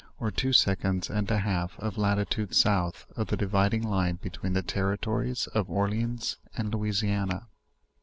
or two secon ds and an half of lati tude south of the dividing line between tho territories of Or leans and Louisiana.